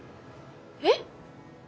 えっ？